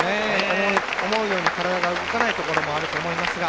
思うように体が動かないところもあると思いますが。